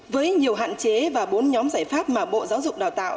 với nhiều hạn chế và bốn nhóm giải pháp mà bộ giáo dục đào tạo